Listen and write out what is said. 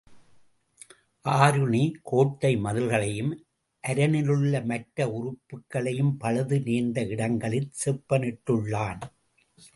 ஆருணி, கோட்டை மதில்களையும் அரணிலுள்ள மற்ற உறுப்புக்களையும் பழுது நேர்ந்த இடங்களிற் செப்பனிட்டுள்ளான்.